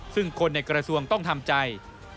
ซึ่งคนในกระทรวงต้องทำใจ